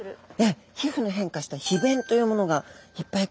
皮膚の変化した皮弁というものがいっぱい